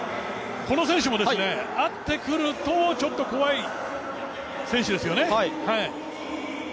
この選手も合ってくると、ちょっと怖い選手ですよね。